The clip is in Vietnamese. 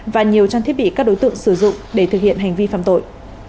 và nhiều trang thiết bị các đối tượng sử dụng để thực hiện hành vi phạm tội